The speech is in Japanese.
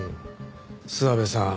諏訪部さん